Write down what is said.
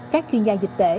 các chuyên gia dịch tễ